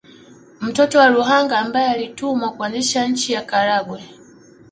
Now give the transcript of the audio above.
Mtoto wa Ruhanga ambaye alitumwa kuanzisha nchi ya Karagwe